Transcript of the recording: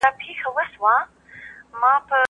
د کار فشار د ذهني ناروغیو لامل دی.